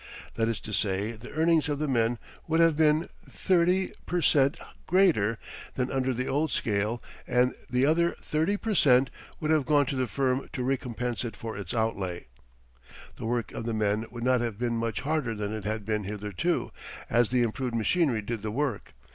That is to say, the earnings of the men would have been thirty per cent greater than under the old scale and the other thirty per cent would have gone to the firm to recompense it for its outlay. The work of the men would not have been much harder than it had been hitherto, as the improved machinery did the work.